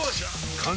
完成！